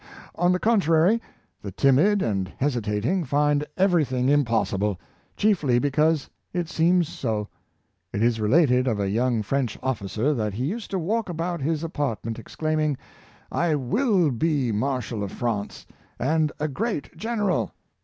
On the contrary, the timid and hesitating find every thing impossible, chiefly because it seems so. It is related of a young French officer, that he used to walk about his apartment exclaiming, *' I ivill be Marshal of France and a great general."